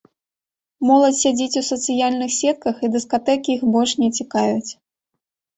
Моладзь сядзіць у сацыяльных сетках і дыскатэкі іх больш не цікавяць.